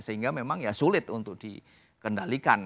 sehingga memang ya sulit untuk dikendalikan